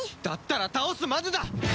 だったら倒すまでだ！